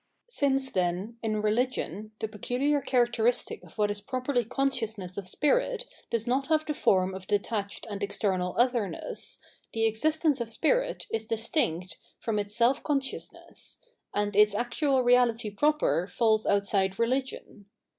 Since, then, in religion, the peculiar characteristic of what is properly consciousness of spirit does not have the form of detached and external otherness, the existence of spkit is distinct from its self conscious ness, and its actual reality proper falls outside religion.